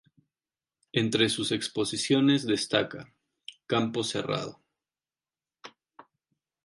Entre sus exposiciones destaca "Campo Cerrado.